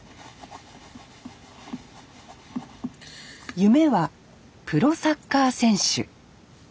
夢はプロサッカー選手。